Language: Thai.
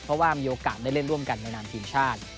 เพราะว่ามีโอกาสได้เล่นร่วมกันในนามทีมชาติ